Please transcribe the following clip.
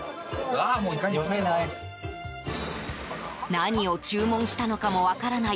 何を注文したのかも分からない